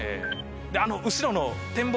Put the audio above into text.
あの後ろの展望